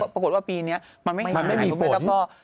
ปรากฏว่าปีนี้มันไม่หายมันไม่มีฝน